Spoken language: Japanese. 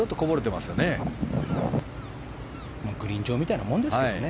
グリーン上みたいなもんですからね。